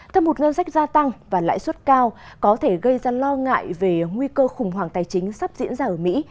thâm hụt ngân sách gia tăng và lãi suất cao có thể gây ra lo ngại về nguy cơ khủng hoảng tài chính sắp diễn ra ở mỹ